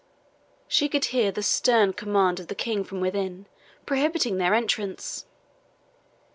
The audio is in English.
She could hear the stern command of the King from within, prohibiting their entrance.